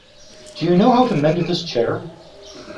Do you know how to mend this chair?